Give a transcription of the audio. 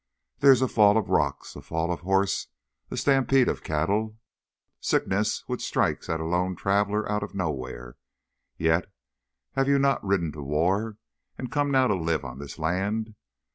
There is a fall of rocks, a fall of horse, a stampede of cattle, sickness which strikes at a lone traveler out of nowhere. Yet have you not ridden to war, and come now to live on this land?